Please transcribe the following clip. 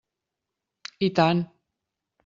I tant!